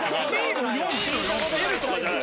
Ｌとかじゃない？